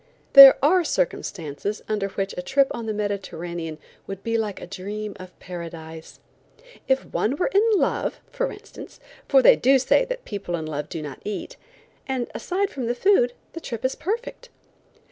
There are circumstances under which a trip on the Mediterranean would be like a dream of Paradise. If one were in love, for instance; for they do say that people in love do not eat, and aside from the food, the trip is perfect.